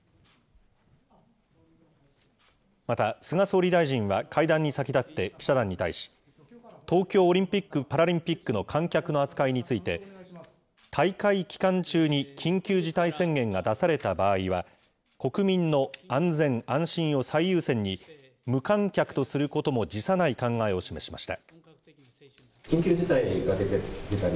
また、菅総理大臣は会談に先立って記者団に対し、東京オリンピック・パラリンピックの観客の扱いについて、大会期間中に緊急事態宣言が出された場合は、国民の安全・安心を最優先に、無観客とすることも辞さない考えを示しました。